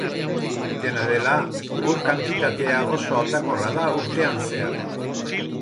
Dena dela, ur kantitatea oso aldakorra da urtean zehar.